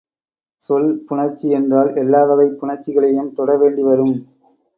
சொல் புணர்ச்சி என்றால் எல்லா வகைப் புணர்ச்சிகளையும் தொட வேண்டி வரும்.